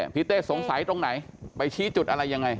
เต้สงสัยตรงไหนไปชี้จุดอะไรยังไง